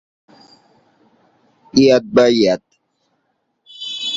Yahoo বা Yahoo!